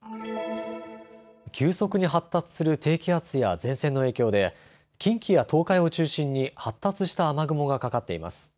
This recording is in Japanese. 急速に発達する低気圧や前線の影響で近畿や東海を中心に発達した雨雲がかかっています。